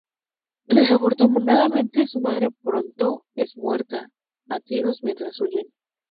Desafortunadamente, su madre pronto es muerta a tiros mientras huyen.